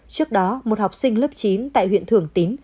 trước đó một học sinh lớp chín tại huyện thường tín